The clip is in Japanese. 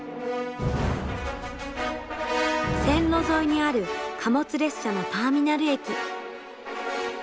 線路沿いにある貨物列車のターミナル駅。